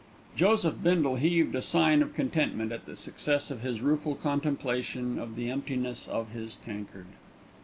Joseph Bindle heaved a sign of contentment at the success of his rueful contemplation of the emptiness of his tankard.